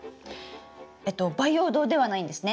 えっと培養土ではないんですね。